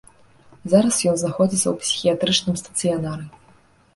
Зараз ён знаходзіцца ў псіхіятрычным стацыянары.